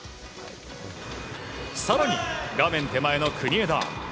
更に、画面手前の国枝。